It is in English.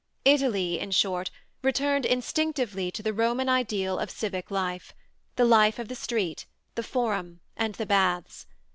Italy, in short, returned instinctively to the Roman ideal of civic life: the life of the street, the forum and the baths.